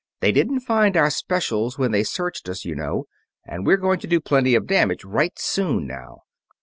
They didn't find our specials when they searched us, you know, and we're going to do plenty of damage right soon now.